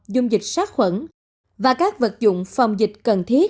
dung dịch sát khuẩn và các vật dụng phòng dịch cần thiết